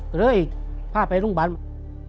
เคือยเครื่เว่งเป้าเลยผ้าไปโรงพยาบาล